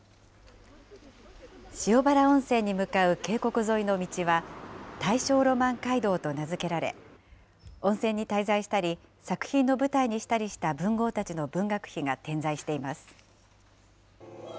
塩原温泉に向かう渓谷沿いの道は、大正浪漫街道と名付けられ、温泉に滞在したり、作品の舞台にしたりした文豪たちの文学碑が点在しています。